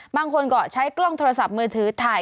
บางคนก็ใช้กล้องโทรศัพท์มือถือถ่าย